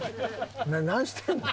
何してんの？